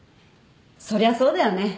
そりゃそうだよね。